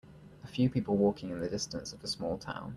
A few people walking in the distance of a small town.